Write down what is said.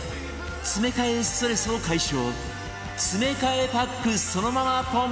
詰め替えストレスを解消